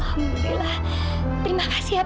edo sangat keras